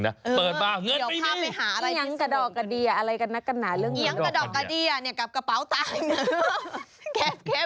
แก่มกี้ยาแอบยักร์ใส่อีกครั้งสักแรก